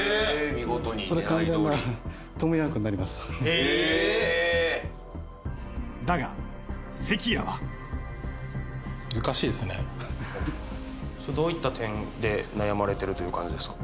見事に狙いどおりへえーだが関谷はどういった点で悩まれてるという感じですか？